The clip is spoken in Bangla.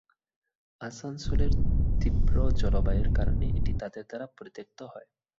আসানসোলের তীব্র জলবায়ুর কারণে এটি তাদের দ্বারা পরিত্যক্ত হয়।